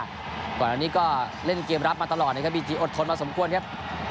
นาทีหนึ่งก็เล่นเกมรับมาตลอดครับบิจิอดทนมาสมควรนะครับ